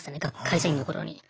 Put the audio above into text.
会社員の頃に。